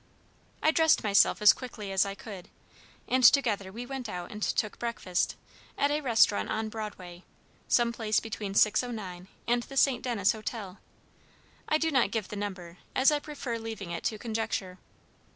I dressed myself as quickly as I could, and together we went out and took breakfast, at a restaurant on Broadway, some place between 609 and the St. Denis Hotel. I do not give the number, as I prefer leaving it to conjecture.